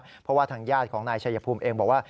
เพราะว่าทางญาติของนายชัยภูมิเองบอกว่า